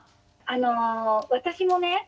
あの私もね